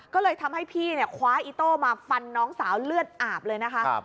ก็เลยทำให้พี่คว้าอีโต้มาฟันน้องสาวเลือดอาบเลยนะคะ